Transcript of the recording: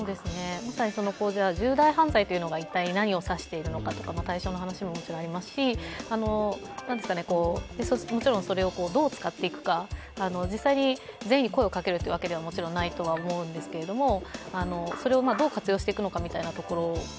まさに重大犯罪が何を指しているのかという対象の話ももちろんありますしもちろんそれをどう使っていくか、実際に全員に声をかけるというわけではもちろん、ないとは思うんですけれども、それをどう活用していくのかみたいなところが